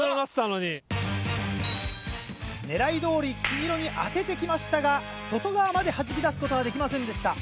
狙い通り黄色に当ててきましたが外側まではじき出すことはできませんでした。